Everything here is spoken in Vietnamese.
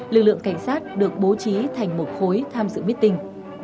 lực lượng cảnh sát được bố trí thành một khối tham dự mít tình